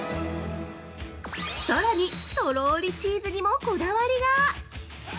さらに、とろりチーズにもこだわりが！